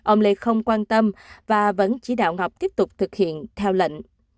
ông lê không quan tâm và vẫn chỉ đạo ngọc tiếp tục thực hiện theo lệnh